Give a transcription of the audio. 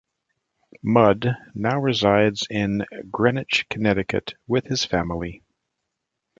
Mudd now resides in Greenwich, Connecticut with his family.